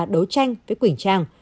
đấu tranh với quỳnh trang